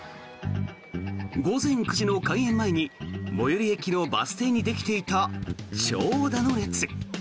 午前９時の開園前に最寄り駅のバス停にできていた長蛇の列。